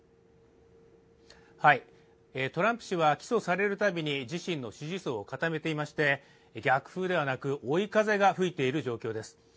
トランプ氏は起訴されるたびに自身の支持層を固めていまして、逆風ではなく追い風が吹いている状況です。